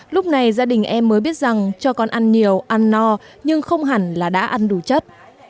lúc này gia đình em mới biết rằng cho con ăn nhiều ăn no nhưng không hẳn là đã ăn đủ chất